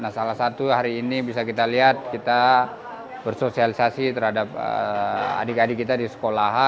nah salah satu hari ini bisa kita lihat kita bersosialisasi terhadap adik adik kita di sekolah